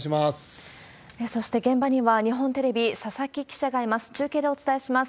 そして、現場には日本テレビ、佐々木記者がいます。